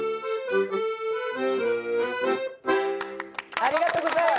ありがとうございます。